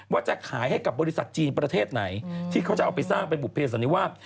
ว่าจะขายให้กับบริษัทจีนประเทศไหนที่เขาจะเอาไปสร้างเป็นบุภเสันนิวาส